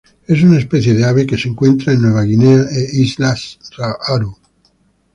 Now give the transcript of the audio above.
Es una especie de ave que se encuentra en Nueva Guinea e islas Aru.